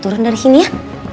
turun dari sini ya